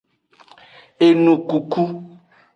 Enukuku.